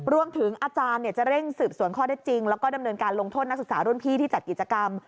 รวมถึงอาจารย์จะเร่งสืบสวนข้อได้จริงแล้วก็ดำเนินการลงโทษนักศึกษารุ่นพี่ที่จัดกิจกรรม